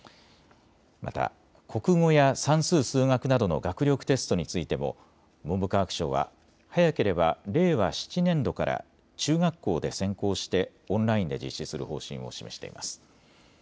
また、国語や算数・数学などの学力テストについても文部科学省は早ければ令和７年度から中学校で先行してオンラインで実施する方針を示しています。